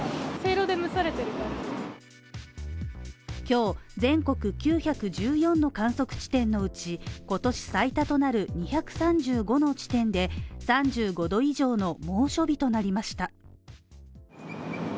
今日、全国９１４の観測地点のうち今年最多となる２３５の地点で３５度以上の猛暑日となりました。